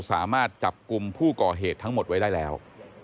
สามารถจับกลุ่มผู้ก่อเหตุทั้งหมดไว้ได้แล้ว